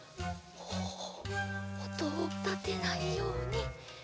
おおとをたてないように。